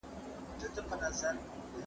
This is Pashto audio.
خدای زموږ څخه همېشه رښتیا غواړي.